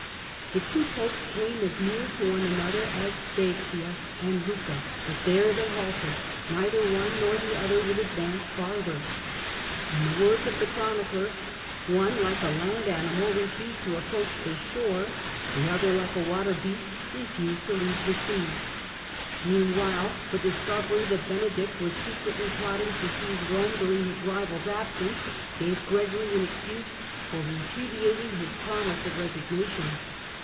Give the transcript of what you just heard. The two Popes came as near to one another as Spezia and Lucca, but there they halted ; neither one nor the other would advance farther. In the words of the Chronicler: " one, like a land animal, refused to approach the shore ; the other, like a water beast, refused to leave the sea ". Meanwhile the dis covery that Benedict was secretly plotting to seize Eome during his rival's absence gave Gregory an excuse for repudiating his promise of resignation.